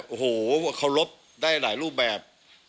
โอ้โหเคารพได้หลายรูปแบบ